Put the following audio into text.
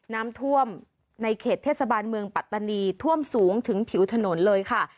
น้ำท่วมในเขตเทศบาลเมืองปัตตานีท่วมสูงถึงผิวถนนเลยค่ะ